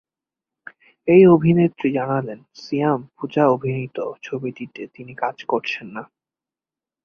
এই অভিনেত্রী জানালেন, সিয়াম পূজা অভিনীত ছবিটিতে তিনি কাজ করছেন না।